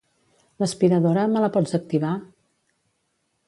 L'aspiradora, me la pots activar?